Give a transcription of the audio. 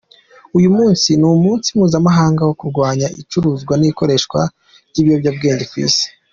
Uyu munsi ni umunsi mpuzamahanga wo kuwanya icuruzwa n’ikoreshwa ry’ibiyobyabwenge ku isi.